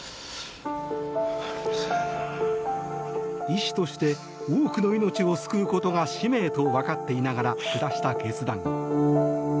医師として多くの命を救うことが使命と分かっていながら下した決断。